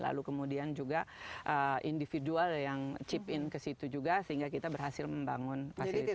lalu kemudian juga individual yang chip in ke situ juga sehingga kita berhasil membangun fasilitas